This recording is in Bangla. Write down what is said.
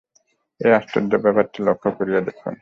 এই আশ্চর্য ব্যাপারটি লক্ষ্য করিয়া দেখুন।